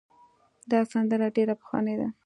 دا سندره ډېره پخوانۍ ده.